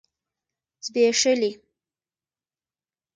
ځبيښلي